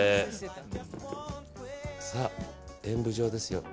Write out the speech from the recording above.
さあ、演舞場ですよ。